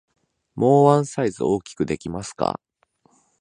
もうワンサイズ大きくできますか？